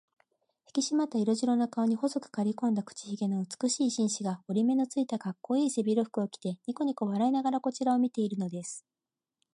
ひきしまった色白の顔に、細くかりこんだ口ひげの美しい紳士が、折り目のついた、かっこうのいい背広服を着て、にこにこ笑いながらこちらを見ているのです。